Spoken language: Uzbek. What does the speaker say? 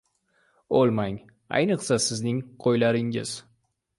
— O‘lmang! Ayniqsa sizning qo‘ylaringiz!